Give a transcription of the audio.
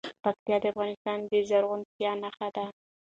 پکتیا د افغانستان د زرغونتیا نښه ده.